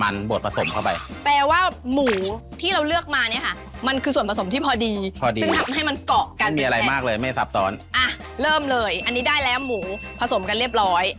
เริ่มเลยอันนี้ได้แล้วหมูผสมกันเรียบร้อย